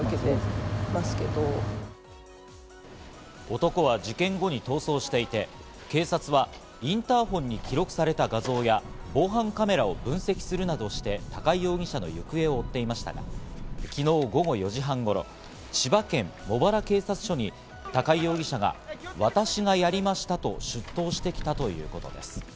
男は事件後に逃走していて警察はインターホンに記録された画像や、防犯カメラを分析するなどして高井容疑者の行方を追っていましたが、昨日午後４時半頃、千葉県茂原警察署に高井容疑者が「わたしがやりました」と出頭してきたということです。